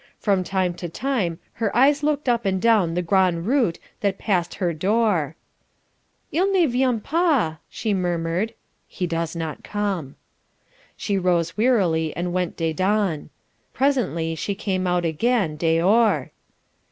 From time to time her eyes looked up and down the gran' route that passed her door. "Il ne vient pas," she murmured (he does not come). She rose wearily and went dedans. Presently she came out again, dehors.